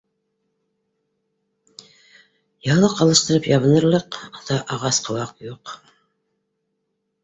Яулыҡ алыштырып ябыныр- лыҡ та ағас-ҡыуаҡ юҡ